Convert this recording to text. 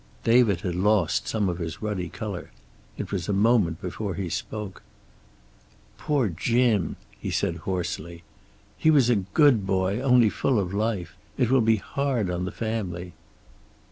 David had lost some of his ruddy color. It was a moment before he spoke. "Poor Jim," he said hoarsely. "He was a good boy, only full of life. It will be hard on the family."